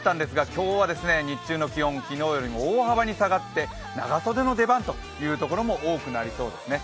昨昨日よりも大幅に下がって長袖の出番というところも多くなりそうですね。